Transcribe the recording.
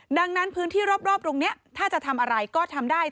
ดังนั้นพื้นที่รอบตรงนี้ถ้าจะทำอะไรก็ทำได้